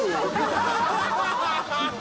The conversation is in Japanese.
アハハハ！